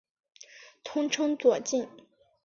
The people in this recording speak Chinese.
通称左近。